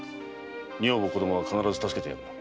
女房子供は必ず助けてやる。